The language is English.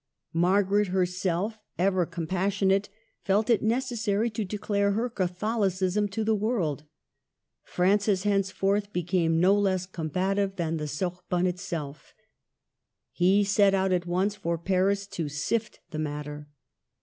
Margaret herself, ever compassionate, felt it necessary to declare her Catholicism to the world. Francis henceforth became no less combative than the Sorbonne itself. He set out at once for Paris to sift the matter.